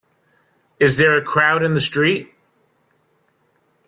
Is there a crowd in the street?